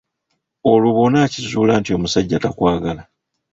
Olwo bw'onakizuula nti omusajja takwagala?